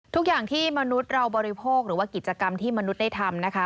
ทุกอย่างที่มนุษย์เราบริโภคหรือว่ากิจกรรมที่มนุษย์ได้ทำนะคะ